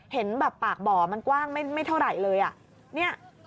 เห็นแบบปากบ่อมันกว้างไม่เท่าไหร่เลยอ่ะ